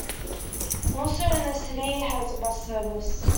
Also in the city has a bus service.